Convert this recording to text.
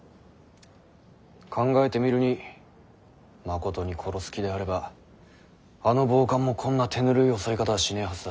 考えてみるにまことに殺す気であればあの暴漢もこんな手ぬるい襲い方はしねぇはずだ。